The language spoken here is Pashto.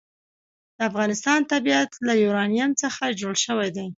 د افغانستان طبیعت له یورانیم څخه جوړ شوی دی.